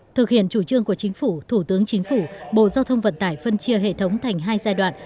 thực hiện chủ trương của chính phủ thủ tướng chính phủ bộ giao thông vận tải phân chia hệ thống thành hai giai đoạn